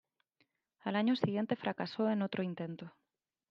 Al año siguiente fracasó en otro intento.